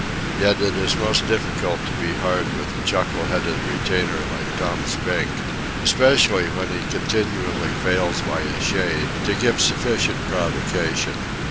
Yet it is most difficult to be hard with a chuckle headed retainer like Tom Spink—especially when he continually fails by a shade to give sufficient provocation.